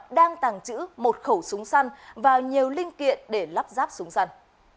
đang tàng trữ một khẩu súng săn và nhiều linh kiện để lắp ráp súng săn